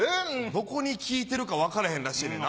どこに効いてるか分かれへんらしいねんな。